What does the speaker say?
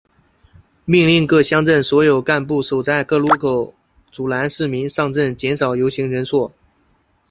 命令各乡镇所有干部守在各路口阻拦市民上镇减少游行人数。